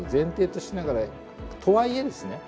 とはいえですね